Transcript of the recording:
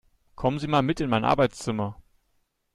Kommen Sie mal mit in mein Arbeitszimmer!